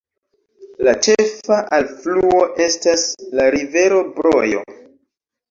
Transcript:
La ĉefa alfluo estas la rivero Brojo.